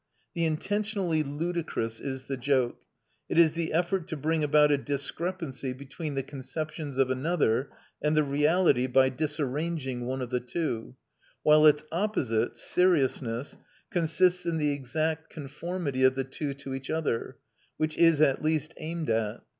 The intentionally ludicrous is the joke. It is the effort to bring about a discrepancy between the conceptions of another and the reality by disarranging one of the two; while its opposite, seriousness, consists in the exact conformity of the two to each other, which is at least aimed at.